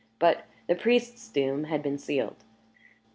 But the priest's doom had been sealed.